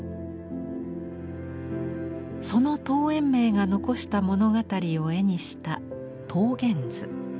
その陶淵明が残した物語を絵にした「桃源図」。